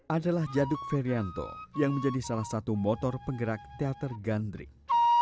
adalah jaduk ferianto yang menjadi salah satu motor penggerak teater gandrik